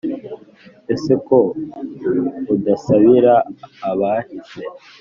ese ko udasabira abahise